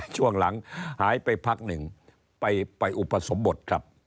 ช่วงหลังหายไปพักหนึ่งไปอุปสมบทครับ